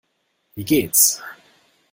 Wie geht's?